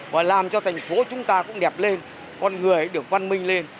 và làm cho thành phố chúng ta cũng đẹp lên con người được văn minh lên